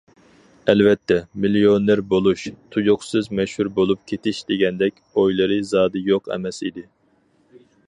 ئەلۋەتتە، مىليونېر بولۇش، تۇيۇقسىز مەشھۇر بولۇپ كېتىش دېگەندەك ئويلىرى زادى يوق ئەمەس ئىدى.